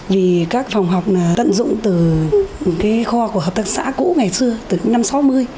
vì các phòng học tận dụng từ kho của hợp tác xã cũ ngày xưa từ những năm sáu mươi